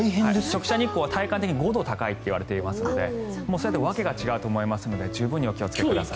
直射日光は体感で５度高いといわれていますので訳が違うと思いますので十分にお気をつけください。